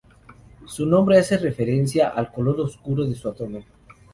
Su nombre hace referencia al color oscuro de su abdomen.